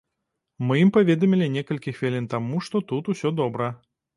Мы ім паведамілі некалькі хвілін таму, што тут усё добра.